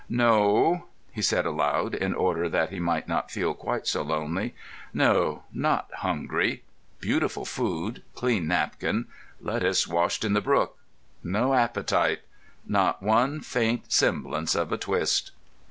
"No," he said aloud, in order that he might not feel quite so lonely. "No, not hungry. Beautiful food, clean napkin, lettuce washed in the brook, no appetite—not one faint semblance of a twist!"